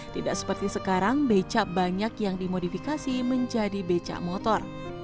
tidak seperti sekarang becak banyak yang dimodifikasi menjadi becak motor